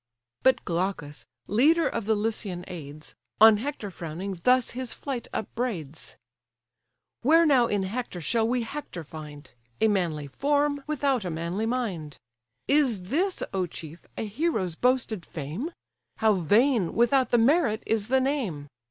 But Glaucus, leader of the Lycian aids, On Hector frowning, thus his flight upbraids: "Where now in Hector shall we Hector find? A manly form, without a manly mind. Is this, O chief! a hero's boasted fame? How vain, without the merit, is the name!